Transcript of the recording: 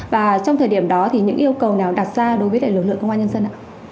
và trong thời điểm đó thì những yêu cầu nào đặt ra đối với lực lượng công an nhân dân ạ